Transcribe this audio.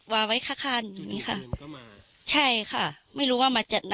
วางไว้ค่ะค่ะอย่างงี้ค่ะใช่ค่ะไม่รู้ว่ามาจากไหน